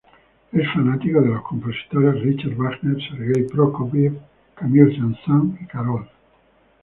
Es fanático de los compositores Richard Wagner, Sergei Prokofiev, Camille Saint-Saëns y Carl Orff.